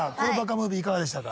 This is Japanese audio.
ムービーいかがでしたか？